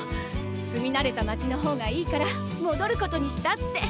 住み慣れた街の方がいいからもどることにしたって。